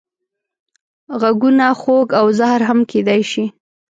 غږونه خوږ او زهر هم کېدای شي